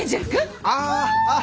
ああ。